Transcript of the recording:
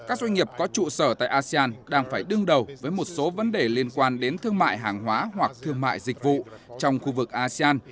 các doanh nghiệp có trụ sở tại asean đang phải đương đầu với một số vấn đề liên quan đến thương mại hàng hóa hoặc thương mại dịch vụ trong khu vực asean